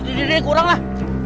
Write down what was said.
diri diri kuranglah